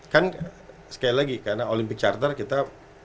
kan sekali lagi karena olympic charter kita